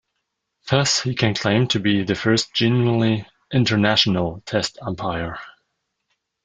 Thus he can claim to be the first genuinely "international" Test umpire.